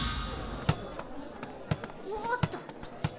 おおっと。